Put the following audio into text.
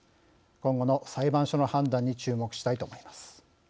今後の裁判所の判断に注目したいと思います。